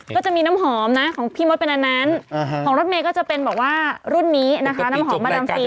ก็จะมีน้ำหอมนะของพี่มดเป็นอันนั้นของรถเมย์ก็จะเป็นแบบว่ารุ่นนี้นะคะน้ำหอมมาดามซี